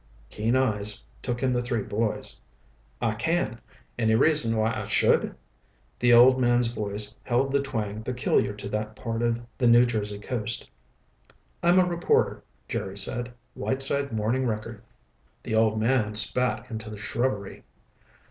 Keen eyes took in the three boys. "I can. Any reason why I should?" The old man's voice held the twang peculiar to that part of the New Jersey coast. "I'm a reporter," Jerry said. "Whiteside Morning Record." The old man spat into the shrubbery.